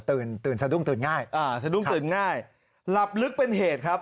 ตื่นตื่นสะดุ้งตื่นง่ายอ่าสะดุ้งตื่นง่ายหลับลึกเป็นเหตุครับ